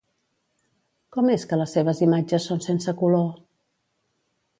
Com és que les seves imatges són sense color?